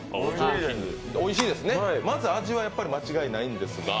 おいしいですね、まず味は間違いないんですが。